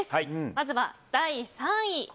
まずは第３位。